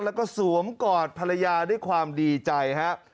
แล้วก็สวมกอดภรรยาด้วยความดีใจครับ